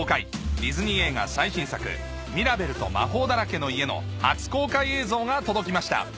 ディズニー映画最新作『ミラベルと魔法だらけの家』の初公開映像が届きました